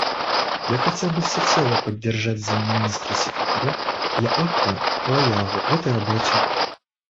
Я хотел бы всецело поддержать замминистра секретаря Яакко Лааяву в этой работе.